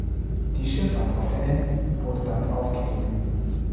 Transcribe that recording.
Die Schifffahrt auf der Enns wurde damit aufgegeben.